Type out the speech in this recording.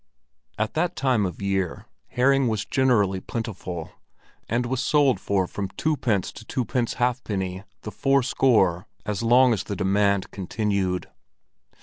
At that time of year, herring was generally plentiful, and was sold for from twopence to twopence halfpenny the fourscore as long as the demand continued.